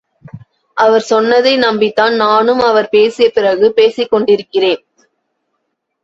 அவர் சொன்னதை நம்பித்தான் நானும் அவர் பேசிய பிறகு பேசிக்கொண்டிருக்கிறேன்.